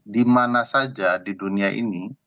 dimana saja di dunia ini